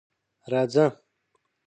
_راځه.